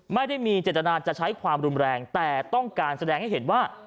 ไม่ได้มีเจตนาจะใช้ความรุนแรงแต่ต้องการแสดงให้เห็นว่า